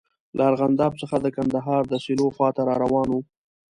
له ارغنداب څخه د کندهار د سیلو خواته را روان وو.